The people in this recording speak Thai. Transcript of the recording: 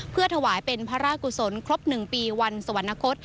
เพื่อถวายเป็นพระราชกุศลครบ๑ปีวันสวรรณคต